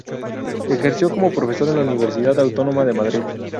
Ejerció como profesor en la Universidad Autónoma de Madrid.